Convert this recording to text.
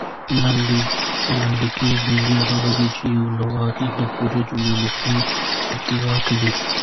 لنډکۍ جمله هغه ده، چي یو لغت د پوره جملې مفهوم افاده کوي.